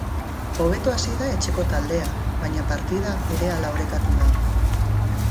Hobeto hasi da etxeko taldea, baina partida berehala orekatu da.